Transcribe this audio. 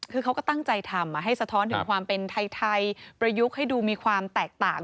คือเขาก็ตั้งใจทำให้สะท้อนถึงความเป็นไทยประยุกต์ให้ดูมีความแตกต่าง